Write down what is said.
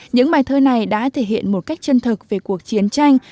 những bài thơ này đã thể hiện một cách chân thực về cuộc chiến tranh